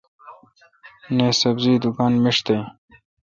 نہ ۔سبزی دکان میݭ تہ این۔